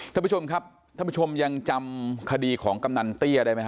ท่านผู้ชมครับท่านผู้ชมยังจำคดีของกำนันเตี้ยได้ไหมฮ